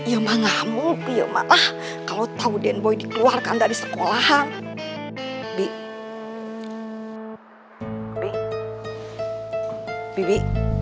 ya ma ngamuk ya ma lah kalau tahu denboy dikeluarkan dari sekolah bi bi